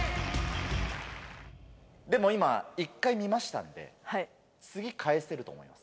でも今、一回見ましたんで、次、返せると思います。